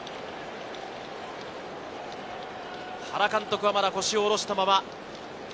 原監督はまだ腰を下ろしたまま。